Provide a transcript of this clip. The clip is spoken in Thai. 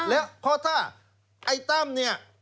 แล้วเพราะถ้าไอ้ตั้มเนี่ย